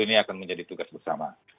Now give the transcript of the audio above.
ini akan menjadi tugas bersama